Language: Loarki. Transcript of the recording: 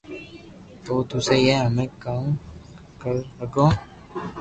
تو تو سھي ھي ھمي ڪاو ر ھگو